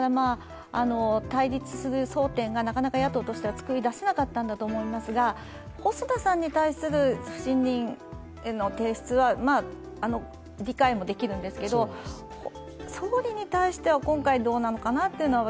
対立する争点がなかなか野党としては作り出せなかったのだと思いますが、細田さんに対する不信任の提出は理解もできるんですけど、総理に対しては今回どうなのかなというのは、